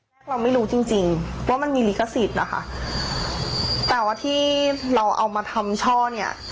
แรกเราไม่รู้จริงจริงว่ามันมีลิขสิทธิ์นะคะแต่ว่าที่เราเอามาทำช่อเนี้ย